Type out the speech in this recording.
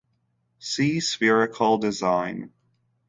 See spherical design.